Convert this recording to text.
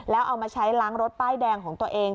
แล้วเอามาใช้ล้างรถป้ายแดงของตัวเอง